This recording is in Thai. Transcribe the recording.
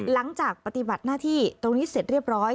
หลังจากปฏิบัติหน้าที่ตรงนี้เสร็จเรียบร้อย